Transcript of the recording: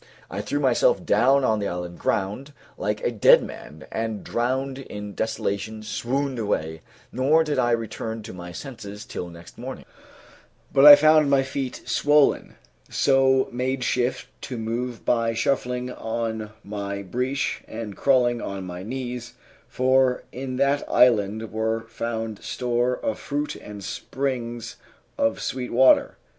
I threw myself down on the island ground, like a dead man, and drowned in desolation swooned away, nor did I return to my senses till next morning, when the sun rose and revived me. But I found my feet swollen, so made shift to move by shuffling on my breech and crawling on my knees, for in that island were found store of fruit and springs of sweet water.